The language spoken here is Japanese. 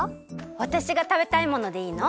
わたしがたべたいものでいいの？